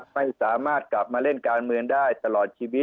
ไม่สามารถกลับมาเล่นการเมืองได้ตลอดชีวิต